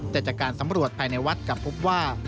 แต่จากการสำรวจภายในวัดกลับพบว่า